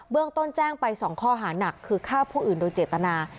เรื่องต้นแจ้งไป๒ข้อหานักคือฆ่าผู้อื่นโดยเจตนา